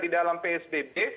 di dalam psbb